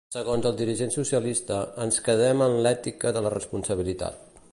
Segons el dirigent socialista ‘ens quedem amb l’ètica de la responsabilitat’.